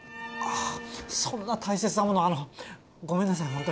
ああそんな大切なものをあのごめんなさい